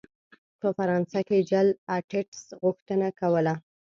په فرانسه کې جل اسټټس غوښتنه کوله.